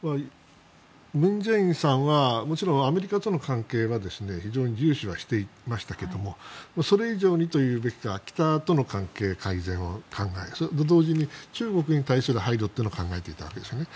文在寅さんはもちろんアメリカとの関係は非常に重視はしていましたけどそれ以上にと言うべきか北との関係改善を考えそれと同時に中国に対する配慮というのを考えていたわけですよね。